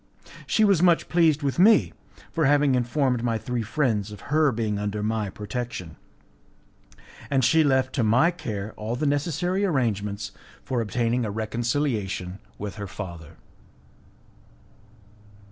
She was much pleased with me for having informed my three friends of her being under my protection, and she left to my care all the necessary arrangements for obtaining a reconciliation with her father.